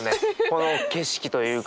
この景色というか。